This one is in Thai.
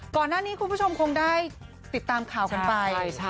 ก่อนหน้านี้คุณผู้ชมคงได้ติดตามข่าวกันไปใช่